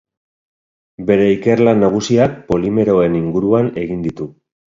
Bere ikerlan nagusiak polimeroen inguruan egin ditu.